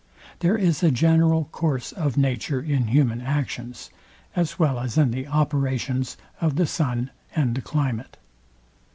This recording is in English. There is a general course of nature in human actions, as well as in the operations of the sun and the climate.